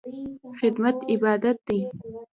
خدمت عبادت دی